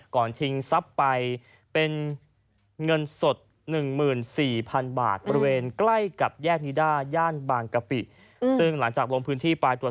ก่อนทิ้งทรัพย์ไปเป็นเงินสด๑๔๐๐๐บาท